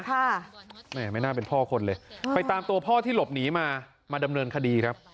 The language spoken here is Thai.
แม่ไม่น่าเป็นพ่อคนเลยไปตามตัวพ่อที่หลบหนีมามาดำเนินคดีครับ